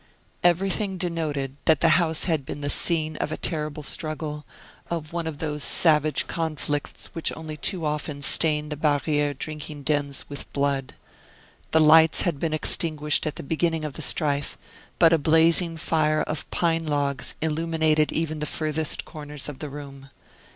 Everything denoted that the house had been the scene of a terrible struggle, of one of those savage conflicts which only too often stain the barriere drinking dens with blood. The lights had been extinguished at the beginning of the strife, but a blazing fire of pine logs illuminated even the furthest corners of the room.